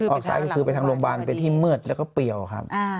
ออกซ้ายก็คือไปทางโรงพยาบาลเป็นที่มืดแล้วก็เปรียวครับ